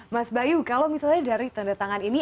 mas bayu kalau misalnya dari tanda tangan ini